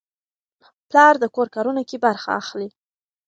پلار د کور کارونو کې برخه اخلي.